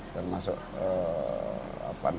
termasuk apa namanya